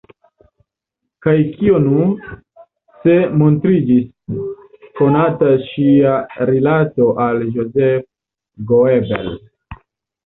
Kaj kio nur, se montriĝis konata ŝia rilato al Joseph Goebbels!